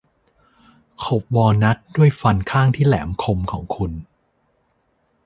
ขบวอลนัทด้วยฟันข้างที่แหลมคมของคุณ